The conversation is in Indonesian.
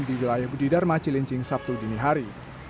di wilayah budi dharma cilincing sabtu dini hari